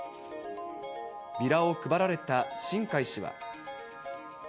ビラを配られた新開氏は。